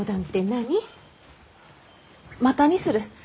またにする。